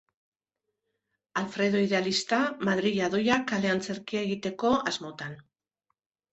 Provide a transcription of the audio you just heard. Alfredo idealista Madrila doa kale-antzerkia egiteko asmotan.